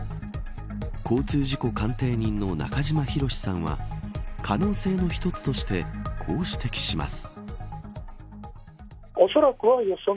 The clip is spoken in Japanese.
交通事故鑑定人の中島博史さんは可能性の１つとしてこう指摘します。